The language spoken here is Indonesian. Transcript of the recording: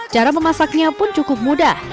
cara memasaknya pun cukup mudah